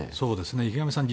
池上さん